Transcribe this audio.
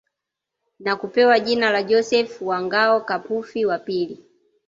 Na kupewa jina la Joseph wa Ngao Kapufi wa Pili